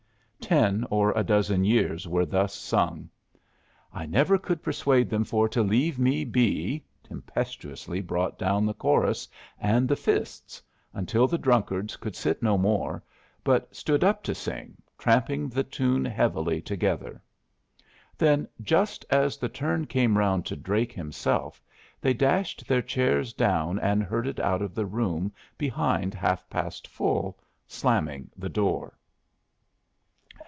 Ten or a dozen years were thus sung. "I never could persuade them for to leave me be" tempestuously brought down the chorus and the fists, until the drunkards could sit no more, but stood up to sing, tramping the tune heavily together. Then, just as the turn came round to Drake himself, they dashed their chairs down and herded out of the room behind Half past Full, slamming the door.